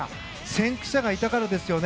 先駆者がいたからですよね。